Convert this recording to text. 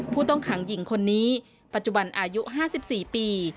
ผู้ต้องขังหญิงคนนี้ปัจจุบันอายุ๕๔ปี